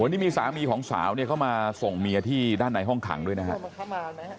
วันนี้มีสามีของสาวเนี่ยเข้ามาส่งเมียที่ด้านในห้องขังด้วยนะครับ